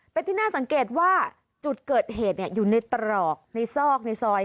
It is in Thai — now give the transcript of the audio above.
เป็นที่น่าสังเกตว่าจุดเกิดเหตุอยู่ในตรอกในซอกในซอย